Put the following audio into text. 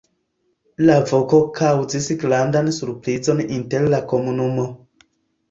La voko kaŭzis grandan surprizon inter la komunumo.